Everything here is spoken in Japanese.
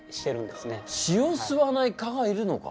血を吸わない蚊がいるのか？